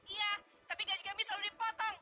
iya tapi gaji kami selalu dipotong